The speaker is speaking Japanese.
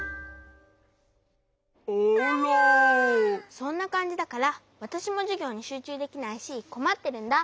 そんなかんじだからわたしもじゅぎょうにしゅうちゅうできないしこまってるんだ。